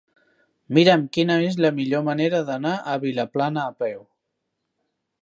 Mira'm quina és la millor manera d'anar a Vilaplana a peu.